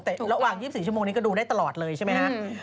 แต่ระหว่าง๒๔ชั่วโมงนี้ก็ดูได้ตลอดเลยใช่ไหมฮะ